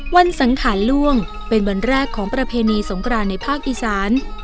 สังขารล่วงเป็นวันแรกของประเพณีสงครานในภาคอีสาน